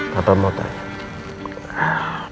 papa mau tanya